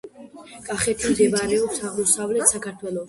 კახეთი მდებარეობს აღმოსავლეთ საქართველოში